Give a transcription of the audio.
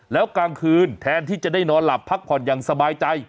แล้วกลางคืนแทนที่จะได้นอนหลับพักผ่อนอย่างสบายใจ